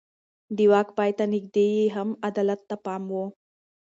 د واک پای ته نږدې يې هم عدالت ته پام و.